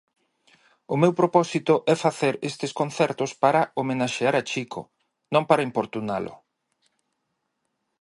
O meu propósito é facer estes concertos para homenaxear o Chico, non para importunalo.